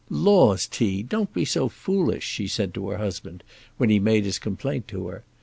"Laws, T., don't be so foolish," she said to her husband, when he made his complaint to her.